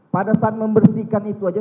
pada saat membersihkan itu aja